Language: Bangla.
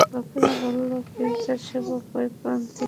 লোকেরা বলল, গীর্জার সেবক ঐ পাদ্রী।